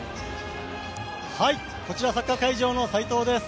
こちら、サッカー会場の斎藤です。